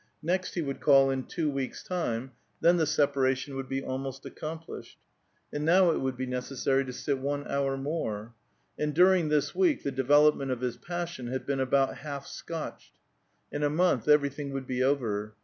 Next he would call in two 208 A VITAL QUESTION. weeks' time ; then the separation would be almost accom plished. And now it would be necessary to sit one hour more. And during this week the development of his passion had been about half scotched ; in a month everything would be over.